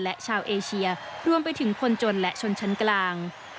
และชาวเอเชียรวมไปถึงคนจนและชนชั้นกลาง